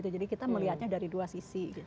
jadi kita melihatnya dari dua sisi